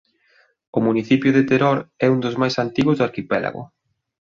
O municipio de Teror é un dos máis antigos do arquipélago.